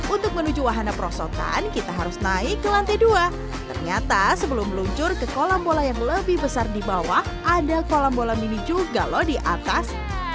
untuk menuju wahana perosotan kita harus naik ke lantai dua ternyata sebelum meluncur ke kolam bola yang lebih besar di bawah ada kolam bola mini juga loh di atas